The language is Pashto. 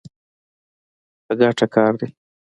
په ګټه کار دی.